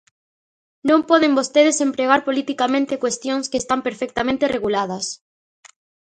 Non poden vostedes empregar politicamente cuestións que están perfectamente reguladas.